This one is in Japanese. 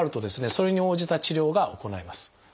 それに応じた治療が行えます。